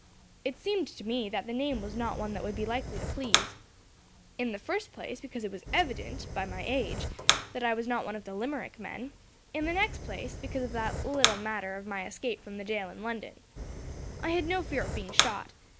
It seemed to me that the name was not one that would be likely to please. In the first place, because it was evident, by my age, that I was not one of the Limerick men; in the next place, because of that little matter of my escape from the jail in London. I had no fear of being shot.